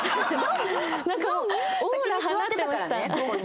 先に座ってたからねここに。